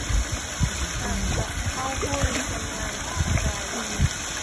หากจะเข้าหุ้นทำงานกับใคร